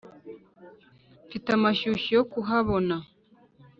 mfite amashyushyu yo kuhabona.